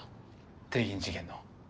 帝銀事件の。